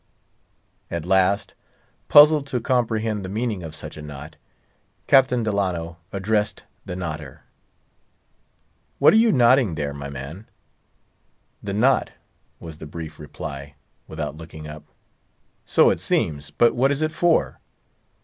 At last, puzzled to comprehend the meaning of such a knot, Captain Delano addressed the knotter:— "What are you knotting there, my man?" "The knot," was the brief reply, without looking up. "So it seems; but what is it for?"